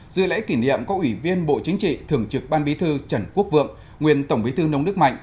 dự lễ kỷ niệm có ủy viên bộ chính trị thường trực ban bí thư trần quốc vượng nguyên tổng bí thư nông đức mạnh